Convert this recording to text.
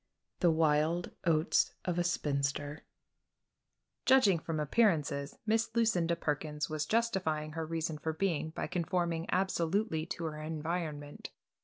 THE WILD OATS OF A SPINSTER Judging from appearances Miss Lucinda Perkins was justifying her reason for being by conforming absolutely to her environment.